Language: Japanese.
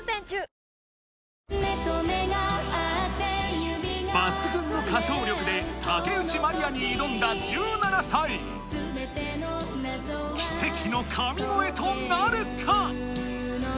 おおーーッ抜群の歌唱力で竹内まりやに挑んだ１７歳奇跡の神声となるか？